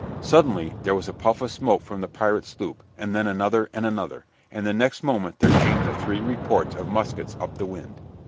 Suddenly there was a puff of smoke from the pirate sloop, and then another and another, and the next moment there came the three reports of muskets up the wind.